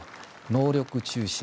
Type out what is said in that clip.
能力中心。